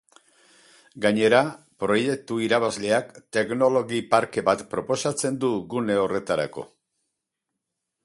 Gainera, proiektu irabazleak teknologi parke bat proposatzen du gune horretarako.